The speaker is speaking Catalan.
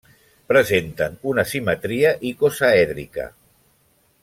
Presenten una simetria icosaèdrica.